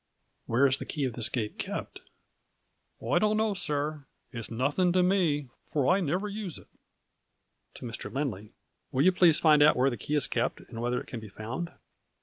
" Where is the key of this gate kept ?" I don't know, sir, its nothing to me, for I never use it. To Mr. Lindley. " Will you please find out where the key is kept, and whether it can be found